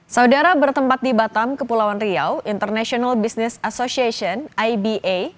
saudara bertempat di batam kepulauan riau international business association iba